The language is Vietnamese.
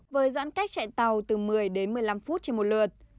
với giãn cách chạy tàu từ một mươi đến một mươi năm phút trên một lượt